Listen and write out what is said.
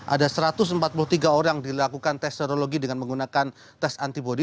ada satu ratus empat puluh tiga orang dilakukan tes serologi dengan menggunakan tes antibody